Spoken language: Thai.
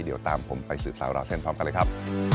เดี๋ยวตามผมไปสืบสาวราวเส้นพร้อมกันเลยครับ